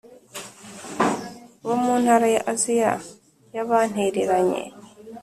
bo mu ntara ya Aziya y bantereranye